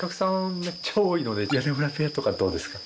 めっちゃ多いので屋根裏部屋とかどうですか？